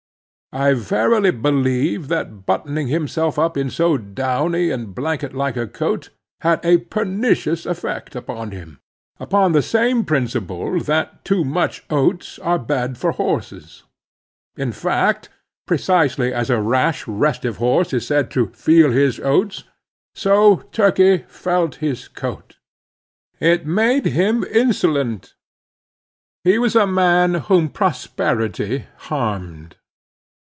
I verily believe that buttoning himself up in so downy and blanket like a coat had a pernicious effect upon him; upon the same principle that too much oats are bad for horses. In fact, precisely as a rash, restive horse is said to feel his oats, so Turkey felt his coat. It made him insolent. He was a man whom prosperity harmed.